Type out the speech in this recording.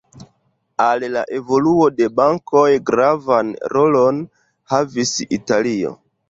Al la evoluo de bankoj gravan rolon havis Italio.